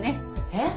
えっ！？